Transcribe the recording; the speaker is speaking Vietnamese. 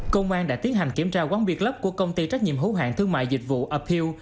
công an đã tiến hành kiểm tra quán biệt lớp của công ty trách nhiệm hữu hạng thương mại dịch vụ apeeal